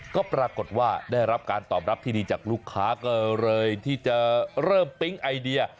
ก็ปรากฏว่าได้รับการตอบรับที่ดีจากลูกค้าก็เลยที่จะเริ่มปิ๊งไอเดีย